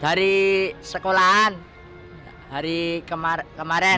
dari sekolahan hari kemarin